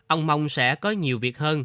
ông mong sẽ có nhiều việc hơn